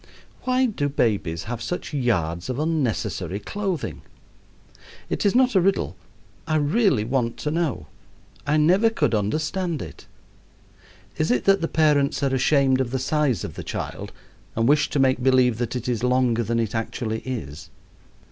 Why do babies have such yards of unnecessary clothing? It is not a riddle. I really want to know. I never could understand it. Is it that the parents are ashamed of the size of the child and wish to make believe that it is longer than it actually is?